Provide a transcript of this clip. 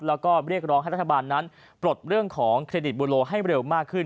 แล้วก็เรียกร้องให้รัฐบาลนั้นปลดเรื่องของเครดิตบูโลให้เร็วมากขึ้น